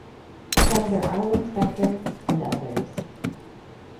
Senator Arlen Specter, and others.